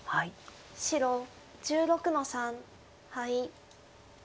白１６の三ハイ。